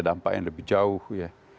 dampak yang lebih jauh ya